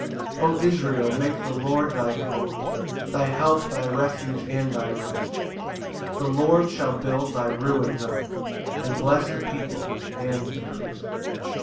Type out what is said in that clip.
] 7 O Israel, make the Lord thy hope, Thy help, thy refuge, and thy rest; The Lord shall build thy ruins up, And bless the people and the priest.